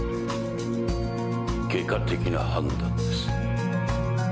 外科的な判断です。